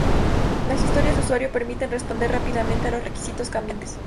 Las historias de usuario permiten responder rápidamente a los requisitos cambiantes.